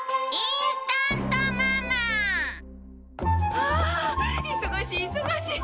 ああ忙しい忙しい！